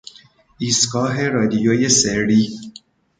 ایستگاه رادیوی سری